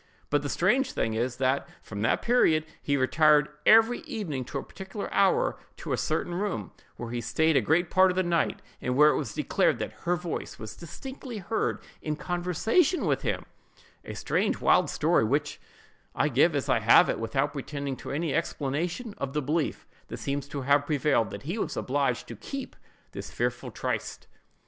But the strange thing is, that, from that period, he retired every evening at a particular hour to a certain room, where he stayed a great part of the night, and where it was declared that her voice was distinctly heard in conversation with him: a strange, wild story, which I give as I have it, without pretending to any explanation of the belief that seems to have prevailed, that he was obliged to keep this fearful tryst.